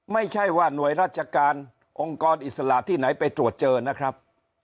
ไม่ใช่ว่าหน่วยราชการองค์กรอิสระที่ไหนไปตรวจเจอนะครับ